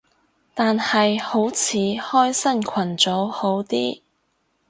但係好似開新群組好啲